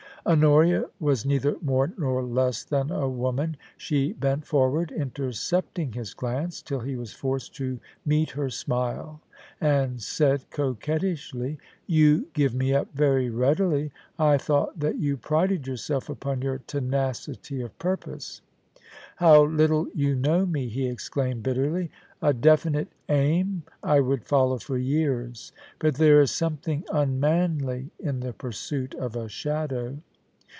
Honoria was neither more nor less than a woman. She bent forward, intercepting his glance till he was forced to meet her smile, and said coquettishly :* You give me up very readily. I thought that you prided yourself upon your tenacity of purpose.' *How little you know meT he exclaimed bitterly. *A definite aim I would follow for years ; but there is some thing unmanly in the pursuit of a shadow.